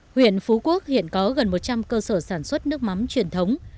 huyện phú quốc hiện có gần một trăm linh cơ sở sản xuất nước mắm truyền thống